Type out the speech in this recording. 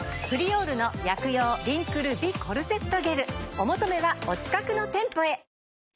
お求めはお近くの店舗へ。